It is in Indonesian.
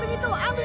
aku gak mau bos